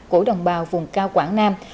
của đồng bào vùng cao quảng nam